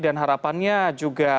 dan harapannya juga